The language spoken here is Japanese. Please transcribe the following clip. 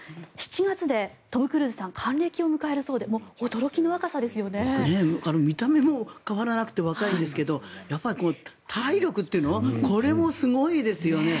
７月でトム・クルーズさん還暦を迎えるそうで見た目も変わらなくて若いですけど、体力というかこれもすごいですよね。